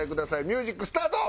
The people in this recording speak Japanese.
ミュージックスタート！